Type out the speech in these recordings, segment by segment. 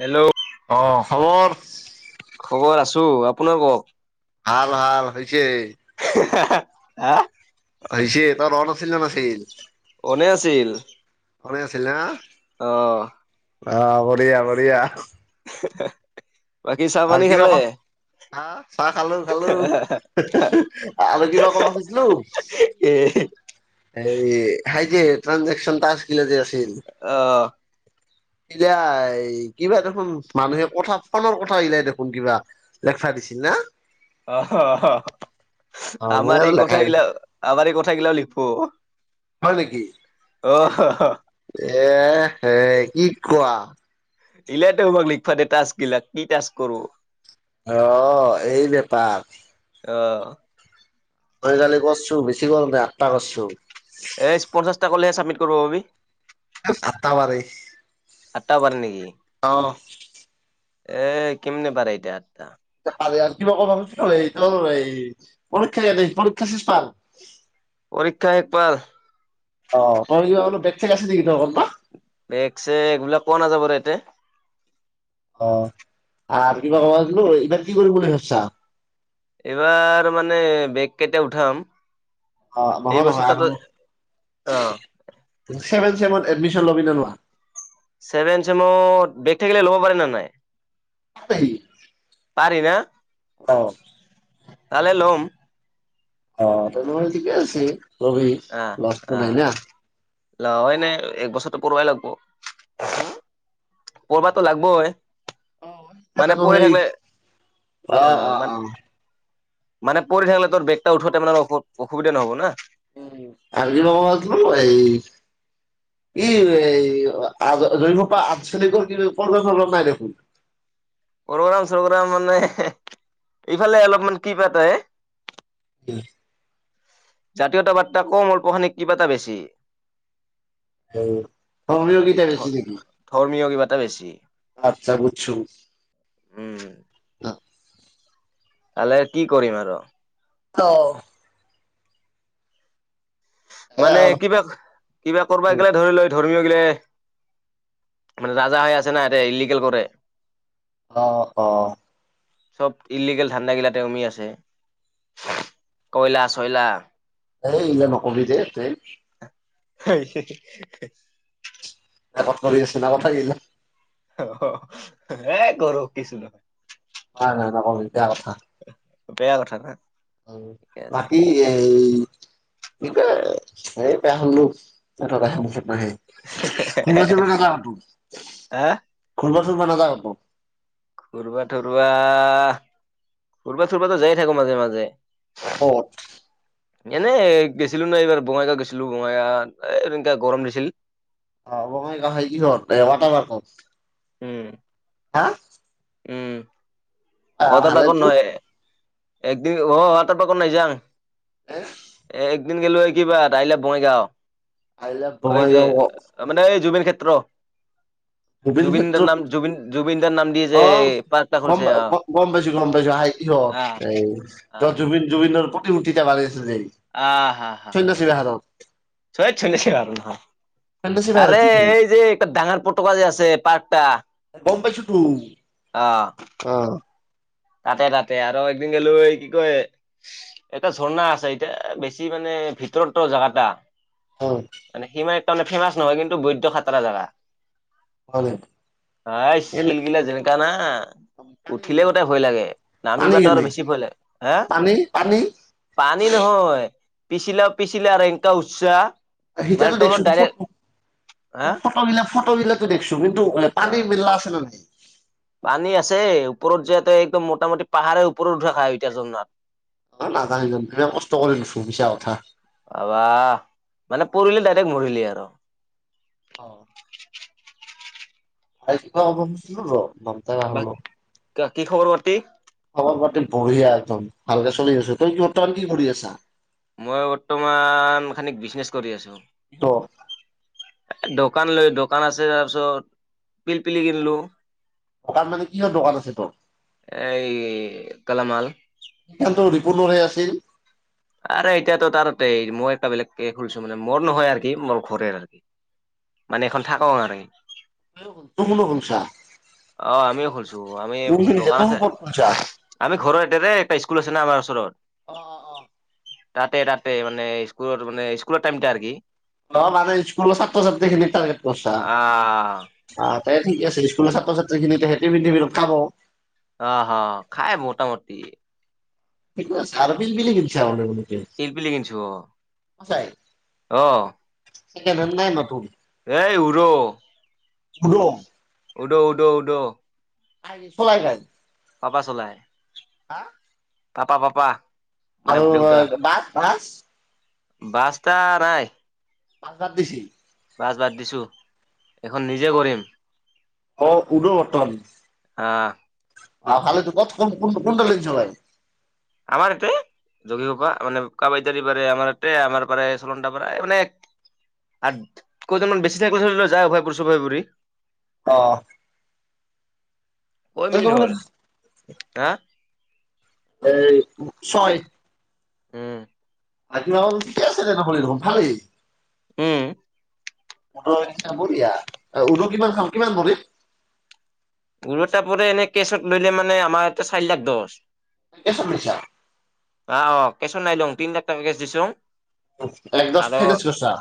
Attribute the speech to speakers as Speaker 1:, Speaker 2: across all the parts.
Speaker 1: Hello
Speaker 2: অহ খবৰ
Speaker 1: অঁ আছো আপোনাৰ কওক
Speaker 2: হাল হাল হৈছে
Speaker 1: হা হা আহ
Speaker 2: আহিছে তাত অহা আছিল নে নাছিল
Speaker 1: এনে আছিল
Speaker 2: ভালে আছিল না
Speaker 1: অহ
Speaker 2: অ বঢ়িয়া বঢ়িয়া
Speaker 1: হাঁ হাঁ হাঁহ
Speaker 2: আৰু কিবা ক হা চাহ খালো খালো আৰু কিবা কব খোজলো
Speaker 1: এ
Speaker 2: এই য়ে ট্ৰাণজেকচন আছিলে যে
Speaker 1: অ'
Speaker 2: এিলাই কিবা দেখোন মানুহে কথা ফোনৰ কথা সিলাই দেখোন কিবা লেক্সা দিছিল না
Speaker 1: অহহ
Speaker 2: অ মই
Speaker 1: আমাৰ
Speaker 2: আৰু
Speaker 1: এই
Speaker 2: লেখাই নাই
Speaker 1: কথাবিলাক আমাৰ এই কথা থাগীলা লিখোঁ
Speaker 2: হয় নেকি এ হে কি কোৱা
Speaker 1: [unintelligible] টাস্কগিলাক কি টাস্ক কৰো।
Speaker 2: আহ্ এই বেপাৰ
Speaker 1: অ'
Speaker 2: আই কালি কৰ্ছো বেছি কৰা নাই আঠটা কৰছো
Speaker 1: কৰবী
Speaker 2: সাতটা পাৰে
Speaker 1: আঠটা পাৰে নেকি
Speaker 2: ই অ
Speaker 1: এ কেমনে পাৰে এতিয়া আঠটা
Speaker 2: প আৰু কিবা কব এই এই পৰীক্ষা পৰীক্ষা শেষ পাৰ
Speaker 1: পৰীক্ষা এক পাৰ
Speaker 2: অ তই অলপ বেগ ছেগ আছে নেকি তৰ কতা
Speaker 1: বেগ ছেগ এইবিলাক পোৱা নাযাব এতে
Speaker 2: অ আৰু কিবা কম এইবাৰ কি কৰিম বুলি ভাবচা
Speaker 1: এইবাৰ মানে বেগ কেইটা উঠাম
Speaker 2: অ'
Speaker 1: এই
Speaker 2: নহয়
Speaker 1: বছৰ
Speaker 2: নহয় আৰু
Speaker 1: তাতো অ
Speaker 2: এই চেমত এদমিচন লবি না নলৱা?
Speaker 1: চেভেন চেমত বেক থাকিলে ল'ব পাৰিম নে নাই?
Speaker 2: [unintelligible]
Speaker 1: পাৰি না?
Speaker 2: অ'।
Speaker 1: পালে লম।
Speaker 2: অ' তেনেহলে ঠিকে আছে। লবি লষ্টটো নাই না।
Speaker 1: লৱেই নাই। এক বছৰটো পঢ়িবাই লাগব।
Speaker 2: হা?
Speaker 1: পঢ়বাতো লাগিবই।
Speaker 2: [unintelligible] অ'- অ'- অ'।
Speaker 1: মানে পৰি থাকিলে তোৰ বেগটা উঠোতেই মানে অস- অসুবিধা নহ'ব না?
Speaker 2: উম এদিনত কিমান পৰে ই? ই [unintelligible] ৰ পৰা আঠ চলি গ'ল [unintelligible] কিন্তু পোন্ধৰ-ষোল্লত নাই দেখোন।
Speaker 1: প্ৰগ্ৰাম চগ্ৰাম মানে ইফালে অলপমান কি পাতা হে?
Speaker 2: উম
Speaker 1: জাতীয়তাবাদ তা কম [unintelligible] কিবা এটা বেছি।
Speaker 2: সেই [unintelligible] কিতা বেছি নেকি?
Speaker 1: টা বেছি।
Speaker 2: আতছা বুটচো।
Speaker 1: পালে কি কৰিম আৰু।
Speaker 2: অ'।
Speaker 1: মানে কিবা- কিবা কৰবা এইগিলা ধৰি লৈ ধ ধৰ্মীয় গিলে মানে ৰাজা হৈ আছে না ইয়াতে ইলিগেল কৰে।
Speaker 2: অ' - অ'।
Speaker 1: চব ইলিগেল ঠাণ্ডাাগিলাতে সোমি আছে। কয়লা চয়লা
Speaker 2: [unintelligible] হবি দে এতে?
Speaker 1: হে- হি- হি
Speaker 2: এ ক'ত কৰি আছিলা [unintelligible]
Speaker 1: অ' হঁ-হঁ এ কৰোঁ কিছু নহয়।
Speaker 2: নাই নাই নকবি। বেয়া কথা।
Speaker 1: বেয়া কথা না?
Speaker 2: অ'
Speaker 1: ঠিকে আছে
Speaker 2: বাকী এই কিবা মইয়ে বেয়া হলো [unintelligible] নাহে। [unintelligible] টো
Speaker 1: হা
Speaker 2: [unintelligible] তোৰ মানকাই শপত।
Speaker 1: ফুৰবা- থুৰবা, ফুৰবা- থুৰবাতো যায় থাকোঁ মাজে মাজে।
Speaker 2: ক'ত
Speaker 1: এনে গছিলো ন এইবাৰ বঙাইগাঁও গৈছিলো বঙাইগাঁওত এ তেনেকা গৰম দিছিল।
Speaker 2: আহ বঙাইগাঁও কাহাই কিহৰ এ কট বাৰ ক'ত?
Speaker 1: উম
Speaker 2: হা
Speaker 1: উম
Speaker 2: আ
Speaker 1: কথাটো এ
Speaker 2: ভালেতো
Speaker 1: নহয়। এক দিন ৰহ তাৰ পৰা নাজাঙ।
Speaker 2: আহ।
Speaker 1: দিন গেলো কিবা তাহিললে বঙাইগাঁও।
Speaker 2: আহিল ভমাই গ
Speaker 1: কুত্ৰ জুবিন দাৰ নাম জুবিন- জুবিন দাৰ নাম দিয়ে যে
Speaker 2: অ
Speaker 1: পাৰ্ক টা
Speaker 2: গম
Speaker 1: খুলিছে আহ।
Speaker 2: গম পাইছ -গম পাইছ আহ ইহ এই ত
Speaker 1: আহ
Speaker 2: জুবিন- জুবিন দাৰ [unintelligible] চন্যছিলৱ হত।
Speaker 1: চয়ছে বাৰ নহ
Speaker 2: সন্যাসীৰ
Speaker 1: আৰে
Speaker 2: বেহাৰত
Speaker 1: এই যে এক ডাঙৰ পটকা যে আছে পাৰ্
Speaker 2: গম পাইছোঁ টো আহ।
Speaker 1: তাতে-তাতে আৰু একদিন গেলো এ কি কয় এটা ঝৰ্ণা আছে এতিয়া বেছি মানে ভিতৰতো জাগা টা।
Speaker 2: অ
Speaker 1: মানে সিমাই ইমান ফেমাচ নহয় কিন্তু বৈদ্য খাতৰা জেগা।
Speaker 2: হয়
Speaker 1: আছ
Speaker 2: এনে
Speaker 1: শিলগিলা যেনেকা না
Speaker 2: পানী
Speaker 1: উঠিলে ব
Speaker 2: কেনে
Speaker 1: লাগে নামিব
Speaker 2: পানী
Speaker 1: তাৰ
Speaker 2: কেনে
Speaker 1: বেছি ভয় লাগে হা
Speaker 2: পানী পানী
Speaker 1: পানী নহয় পিচিলাও পিচিলা আৰু এনকা উচসাহ
Speaker 2: সিতাতো দেখছো ফটো-
Speaker 1: হা
Speaker 2: ফটো বিলাক ফটো বিলাকো দিখচু তুমিটো এ
Speaker 1: অ
Speaker 2: পানী মিলা আছিল নে নাই।
Speaker 1: পানী আছে ওপৰত যোৱাতে একদম মোটামুটি পাহাৰে ওপৰত উঠা খা এতিয়া যা ন।
Speaker 2: অ নাজানিল বিৰাত কষ্ট কৰিছিলো মিছা উঠা।
Speaker 1: বাহ মানে পৰিলে ডাইৰেক্ট মৰিলি আৰু।
Speaker 2: অ।
Speaker 1: [unintelligible]
Speaker 2: ভয় কিছিলো ৰ মমতা গাহো
Speaker 1: ক কি খবৰ পাতি?
Speaker 2: খবৰ পাতি বঢ়িয়া একদম ভালকে চলি আচো, তই বৰ্তমান কি কৰি আছা?
Speaker 1: মই বৰ্তমান খানিক বিজনেচ কৰি আছো।
Speaker 2: অ
Speaker 1: দোকান লৈ দোকান আছে তাৰপিছত, পিলপিলি কিনলো।
Speaker 2: দোকান মানে কিহৰ দোকান আছে তোৰ?
Speaker 1: কালামাল
Speaker 2: সেইখানটো ৰিপুণৰহে আছিল।
Speaker 1: আৰে এতিয়াটো তাৰতে মই এটা বেলেগকে খুলিছো মানে মোৰ নহয় আৰ কি মোৰ ঘৰে আৰু মানে এখন থাকও আৰ।
Speaker 2: তো কোনো হুনচা [unintelligible]
Speaker 1: অ আমিও খুলছো টু-আমি দোকান
Speaker 2: জেতুম
Speaker 1: আছে,
Speaker 2: ক'ত খুলছা?
Speaker 1: আমি ঘৰৰ এতে দে হাইস্কুল আছে ন আমাৰ ওচৰত
Speaker 2: অ -অ -অ
Speaker 1: তাতে তাতে মানে স্কুলৰ মানে স্কুলৰ টাইমটো আৰ কি
Speaker 2: অ মানে স্কুলৰ ছাত্ৰ ছাত্ৰীখিনিক টাৰ্গেট কৰছা,
Speaker 1: আহ
Speaker 2: আ। এ ঠিকে আছে স্কুলৰ ছাত্ৰ ছাত্ৰীখিনি হেটি টিফিনত খাব
Speaker 1: অ-হ' খায় মোটামুটি।
Speaker 2: চাৰ পিল বিল বুলি কিনচা বোলে [unintelligible]
Speaker 1: পিলপিলি কিনচো অহ [inaudible]
Speaker 2: একেধননে নতুন [unintelligible]
Speaker 1: এই উৰো।
Speaker 2: গুদম
Speaker 1: উদ্- উদ্ -উদ্
Speaker 2: আহি চলাই গ
Speaker 1: পাপা চলাই তাপা পাপা মানে
Speaker 2: আৰু বাত ভাজ
Speaker 1: বাস্তা নাই
Speaker 2: পাছজা দেচি
Speaker 1: কাজ বাদ দিছোঁ, এইখন নিজে কৰিম।
Speaker 2: অ উদ ব্তন
Speaker 1: আহ
Speaker 2: অ ভালে তো কত ক কোনটা লেছ ভাই
Speaker 1: আমাৰ ইতে। যোগীঘোপা, কাবাইতাৰী পাৰে আমাৰ ইতে, আমাৰ পাৰে চল পাৰ মানে কেইজনমান বেছি থ যায় উভয়পুৰী
Speaker 2: অ
Speaker 1: কৈ মিনিট হ'ল?
Speaker 2: এই
Speaker 1: হা
Speaker 2: এই ছয়
Speaker 1: উম
Speaker 2: আজি মাহল ঠিকে আছে দে নহলে ভালেই।
Speaker 1: উম
Speaker 2: মতৰৰ নিচিনা বলিয়া, উদ কিমান খাম কিমান বডিত?
Speaker 1: গৰু এটা পৰা এনে কেচত লৈলে মানে আমাৰতে চাৰি লাখ দচ
Speaker 2: এই চব মিছা
Speaker 1: এইচোন নাইলোং তিনটা তাৰ্গেট দিছোং
Speaker 2: এক দশ ফেকছিল ছাৰ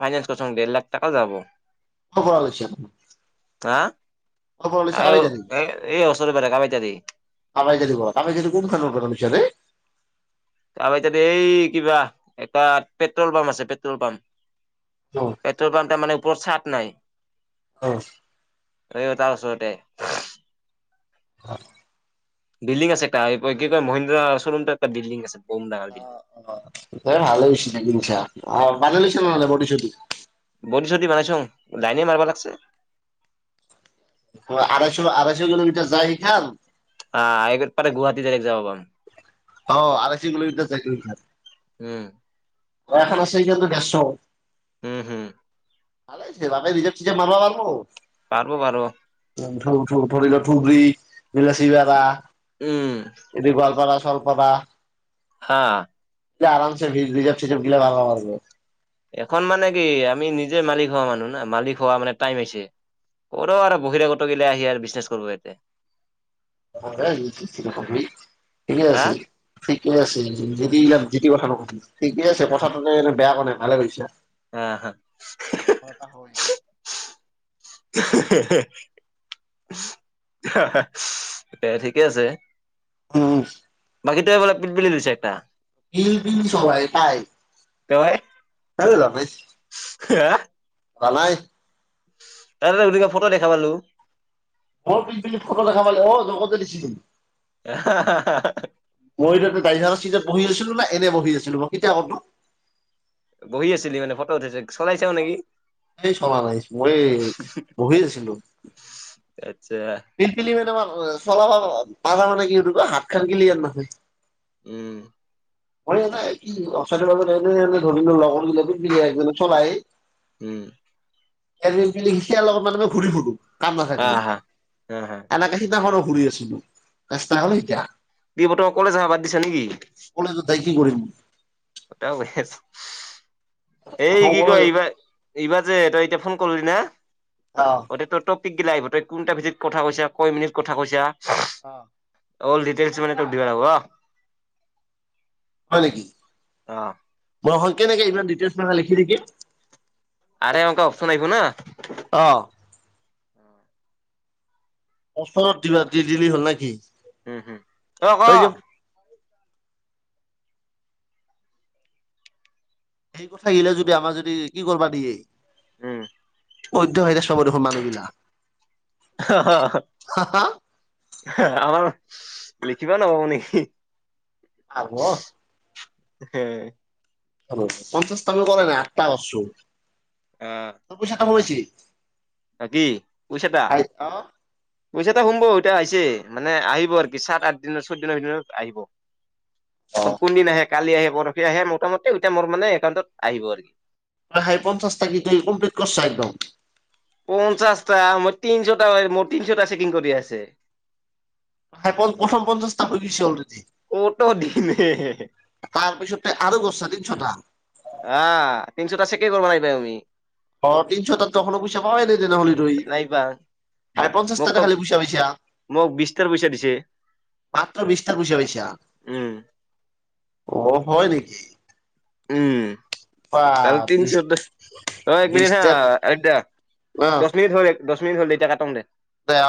Speaker 1: ফাইনেন্স কৰচং দেৰ লাখ টকা যাব
Speaker 2: খবৰ লৈছিল
Speaker 1: আ
Speaker 2: অপল কাবাই জ
Speaker 1: পাৰে কামাখ্যাদি
Speaker 2: কাবাই জি ব কাব কোন খানচ [unintelligible]
Speaker 1: আৱাই তাতে এই কিবা এটা পেট্ৰল পাম্প আছে পেট্ৰল
Speaker 2: অ
Speaker 1: পাম্প পেট্ৰল পাম্পটা মানে ওপৰত চা নাই
Speaker 2: অ'
Speaker 1: ৰ টা ওচৰতে
Speaker 2: হয়
Speaker 1: বিল্ডিং আছে এটা কি কয় মহিন্দ্ৰা চৰুম টো এটা বিল্ডিং আছে বম ডাঙৰ বিল্ডিং
Speaker 2: অ' অ' দে ভালেই হৈছে জাগিছা বানালিছে নহলে বডি চডি
Speaker 1: বডি চডি বনাইচোং লাইনে মাৰব লাগছে
Speaker 2: আঢৈশ আঢৈশ কিলোমিটাৰ যায় সি খাল
Speaker 1: আহ এই পাৰে গুৱাহাটী দাৰেক যাব পাম
Speaker 2: অ আঢৈশ গলেটো চাৰিকিলো মিটাৰ
Speaker 1: উম
Speaker 2: দোৱাখন আছে কিন্তু গেছঅ
Speaker 1: উম হম
Speaker 2: ভালে হৈছে ৰাভে ৰিজেভ চিজেভ মাৰব পাৰব
Speaker 1: পাৰব পাৰব
Speaker 2: [unintelligible]
Speaker 1: উম
Speaker 2: যদি ভালপালা স্বল্প দা
Speaker 1: হা
Speaker 2: আৰমছে ভিজ ভিজা চিজ দিলে ভাল হব
Speaker 1: এখন মানে কি আমি নিজে মালিক হোৱা মানুহ ন মালিক হোৱা মানে টাইম হৈছে কৰ আৰু বহিৰাগত গিতা আহি আৰু বিজনেচ কৰব ইয়াতে
Speaker 2: ঠিকে
Speaker 1: হা
Speaker 2: আছে ঠিকে আছে যিতি ইয়াত যিতি কথা নকবি ঠিকে আছে কথাটোতে এনে বেয়া কোৱা নাই ভালে পইচা
Speaker 1: আহ হা
Speaker 2: হয়
Speaker 1: এ ঠিকে আছে
Speaker 2: উম
Speaker 1: বাকী তোৱে বোলে পিলপিলি লৈছে একটা
Speaker 2: বিল বিল সবাই তাই
Speaker 1: তই
Speaker 2: আৰু ল লিছ
Speaker 1: হা
Speaker 2: ভাল নাই
Speaker 1: তাৰ [unintelligible] ফটো দেখা পালোঁ।
Speaker 2: অ' পিলপিলিত ফোটো দেখা পালে হ'ল। জগতে দিছিচোন। মই তাতে গাড়ীখানৰ চিটত বহি আছিলোঁ না এনেই বহি চলিব। কেতিয়া অফ নো?
Speaker 1: বহি আছিলি মানে ফটো উঠাইছে চলাইছাও
Speaker 2: অ
Speaker 1: নেকি
Speaker 2: হেই চলা নাই মই এই বহি আছিলোঁ।
Speaker 1: এব
Speaker 2: পিলপিলি কেইটামান অ' চলাবা পাবি। [unintelligible] তাৰকাৰণে কি ইটো কয় হাতখন গেলি আৰু নাহে।
Speaker 1: উম
Speaker 2: [unintelligible] [inaudible] লগৰবিলাকে পিলপিলা আহি পেলাই চলায়।
Speaker 1: উম
Speaker 2: এ [unintelligible] লগত মানে মই ঘূৰি ফুৰোঁ। কাম
Speaker 1: হা
Speaker 2: নাথাক্লি।
Speaker 1: হা হা হা
Speaker 2: এনেকে দিনাখনো ঘুৰি আছিলোঁ। ৰাস্তা হ'ল এতিয়া।
Speaker 1: [unintelligible] কলেজ যাৱা বাদ দিছা নেকি?
Speaker 2: ক'লেতো তাই কি কৰিম?
Speaker 1: বাটাও [unintelligible] এই
Speaker 2: অ
Speaker 1: কি কয় এইবাৰ-এইবাৰ যে তই এতিয়া ফোন কৰলি না অদে তোৰ তোক পিকগিলা আহিব তই কোনটা বেছিত কথা কৈছা কৈ মিনিট কথা কৈছা।
Speaker 2: অ'।
Speaker 1: অল ডিটেইলছ মানে তোক দিব লাগিবহ।
Speaker 2: হয় নেকি?
Speaker 1: আহ
Speaker 2: অ' হয়। কেনেকে ইমান ডিটেইলছ মাখা লিখি থাকিম?
Speaker 1: আৰে অংক অপশন আহিব না।
Speaker 2: অ'। ওচৰত দিলা দি দিলি হ'ল নেকি?
Speaker 1: হম- হম তই ক'।
Speaker 2: সেই কথা আহিলে যদি আমাৰ যদি কি কৰিবা দিয়ে।
Speaker 1: উম
Speaker 2: বন্ধ হয় দে সব দেখুন মানুহগিলা।
Speaker 1: হাঁ-হাঁ-হাঁ।
Speaker 2: হা হা
Speaker 1: হাঁ আমাৰ লিখিবা নাপাব নেকি?
Speaker 2: আহোঁ অ'।
Speaker 1: হে।
Speaker 2: [inaudible] পঞ্চাশটামান কৰা নাই আঠটা কৰছোঁ।
Speaker 1: আহ
Speaker 2: তোৰ পইচা কা [unintelligible]
Speaker 1: বাকী পইছাটা।
Speaker 2: আই অ
Speaker 1: পইচা এটা সোমব এতিয়া আহিছে মানে আহিব আৰু কি চাত-আঠ দিনৰ চৈত দিনৰ ভিতৰত আহিব।
Speaker 2: অ
Speaker 1: এখন কোন দিন আহে কালি আহে পৰখি আহে মোটামুটি এতিয়া মোৰ মানে একাউণ্টত আহিব আৰু কি
Speaker 2: পহাই পঞ্চাছটা কি তই কমপ্লিট কৰচা একদম?
Speaker 1: পঞ্চাশটা মই তিনশটা হয়, মোৰ তিনশটা চেকিং কৰি আছে।
Speaker 2: প্ৰ প্ৰথম পঞ্চাশটা হৈ গৈছে অলৰেডি।
Speaker 1: কত দিনে
Speaker 2: তাৰ পিছতে আৰু গছছা তিনিচটা।
Speaker 1: আহ তিনিচুটা চেকে কৰিব লাগিব তুমি
Speaker 2: অ তিনশ টাত তখনো পইচা পাৱাই ন তেনেহ'লে তই।
Speaker 1: নাইবা
Speaker 2: আৰে পঞ্চাশ টাককা
Speaker 1: মোকতো
Speaker 2: খালি হে পইচা পাইছা।
Speaker 1: মোক বিশটাৰ পইচা দিছে
Speaker 2: মাত্ৰ বিচটা পইচা পাইছা।
Speaker 1: উম
Speaker 2: অ হয় নেকি!
Speaker 1: উম
Speaker 2: বা
Speaker 1: তা
Speaker 2: বিশ
Speaker 1: তিনচো দ, অ এক মিনিট হা
Speaker 2: বিশটাত
Speaker 1: আইটডা দচ মিনিট হ'ল দচ মিনিত হ'ল এতিয়া কাটংদে
Speaker 2: এয়া